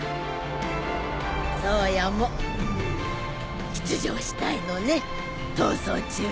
颯也も出場したいのね逃走中に。